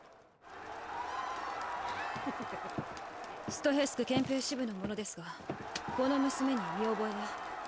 ストヘス区憲兵支部の者ですがこの娘に見覚えは？